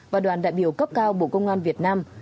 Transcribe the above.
và đoàn đại biểu cấp cao bộ công an việt nam